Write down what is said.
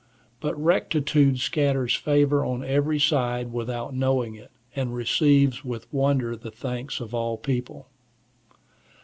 But rectitude scatters favors on every side without knowing it, and receives with wonder the thanks of all people.